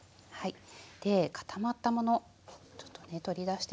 で固まったものちょっとね取り出してみますね。